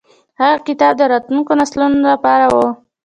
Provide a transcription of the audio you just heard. هغه کتاب د راتلونکو نسلونو لپاره و.